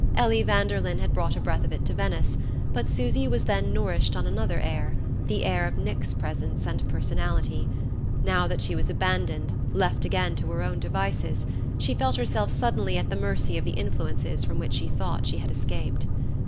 Ellie Vanderlyn had brought a breath of it to Venice; but Susy was then nourished on another air, the air of Nick's presence and personality; now that she was abandoned, left again to her own devices, she felt herself suddenly at the mercy of the influences from which she thought she had escaped.